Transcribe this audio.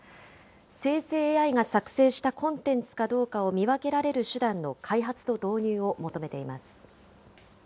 生成ＡＩが作成したコンテンツかどうかを見分けられる手段の開発と導入を求めています。